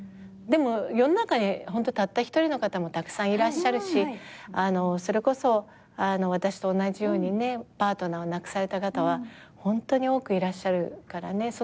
でも世の中にたった一人の方もたくさんいらっしゃるしそれこそ私と同じようにねパートナーを亡くされた方はホントに多くいらっしゃるからね。